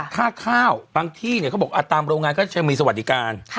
ค่าข้าวบางที่เนี่ยเขาบอกตามโรงงานก็จะมีสวัสดิการ